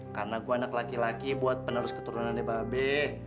karena gue anak laki laki buat penerus keturunannya babe